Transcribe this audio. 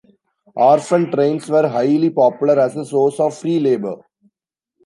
Orphan trains were highly popular as a source of free labor.